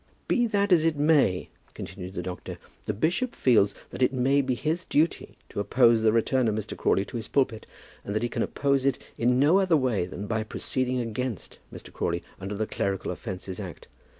"Be that as it may," continued the doctor, "the bishop feels that it may be his duty to oppose the return of Mr. Crawley to his pulpit, and that he can oppose it in no other way than by proceeding against Mr. Crawley under the Clerical Offences Act.